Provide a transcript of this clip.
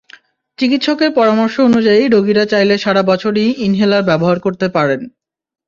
চিকিৎসকের পরামর্শ অনুযায়ী রোগীরা চাইলে সারা বছরই ইনহেলার ব্যবহার করতে পারেন।